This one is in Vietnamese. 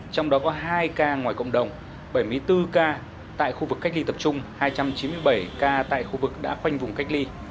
trong đó có hai ca ngoài cộng đồng bảy mươi bốn ca tại khu vực cách ly tập trung hai trăm chín mươi bảy ca tại khu vực đã khoanh vùng cách ly